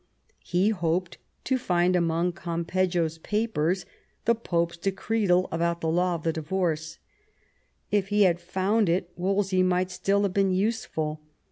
He hoped to find amongst Campeggio's papers the Pope's decretal about the law of the divorce. If he had found it Wolsey might still have been useful.